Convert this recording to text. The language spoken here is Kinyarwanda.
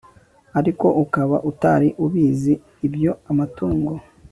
ariko ukaba utari ubizi Ibyo amatungo